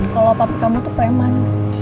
kalau papi kamu tuh preman